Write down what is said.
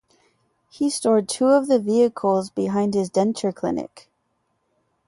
He stored two of the vehicles behind his denture clinic.